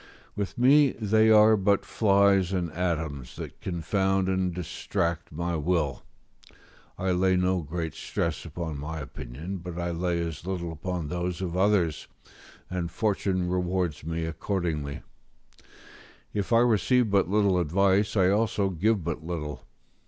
With me, they are but flies and atoms, that confound and distract my will; I lay no great stress upon my opinions; but I lay as little upon those of others, and fortune rewards me accordingly: if I receive but little advice, I also give but little.